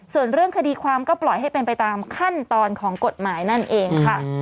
ส่วนเรื่องคดีความก็ปล่อยให้เป็นไปตามขั้นตอนของกฎหมายนั่นเองค่ะ